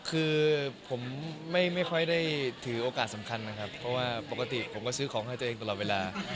คือผมไม่ค่อยได้ถือโอกาสสำคัญนะครับเพราะว่าปกติผมก็ซื้อของให้ตัวเองตลอดเวลา